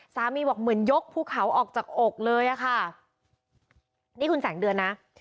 บอกเหมือนยกภูเขาออกจากอกเลยอะค่ะนี่คุณแสงเดือนนะ